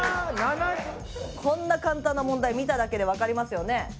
こんな簡単な問題見ただけでわかりますよね？